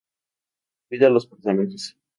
Cuida a los personajes.